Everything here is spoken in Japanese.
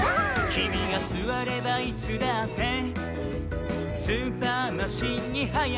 「きみがすわればいつだってスーパー・マシンにはやがわり」